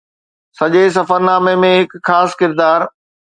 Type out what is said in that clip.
سڄي سفرنامي ۾ هڪ خاص ڪردار